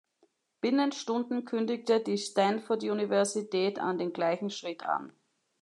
Binnen Stunden kündigte die Stanford-Universität an den gleichen Schritt an.